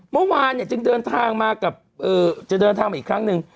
เมื่อวานเนี่ยจึงเดินทางมากับจะเดินทางมาอีกครั้งหนึ่ง